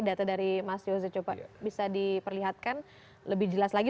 data dari mas yose coba bisa diperlihatkan lebih jelas lagi